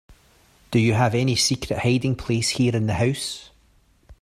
Do you have any secret hiding place here in the house?